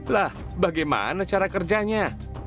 lah bagaimana cara kerjanya